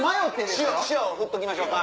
塩振っときましょか？